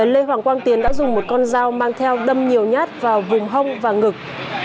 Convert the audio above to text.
lê hoàng quang tiến đã dùng một con dao mang theo đâm nhiều nhát vào vùng hông và ngực